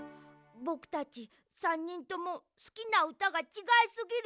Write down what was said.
ぼくたち３にんともすきなうたがちがいすぎる。